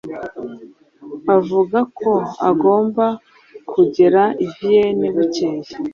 Avuga ko agomba kugera i Vienne bukeye.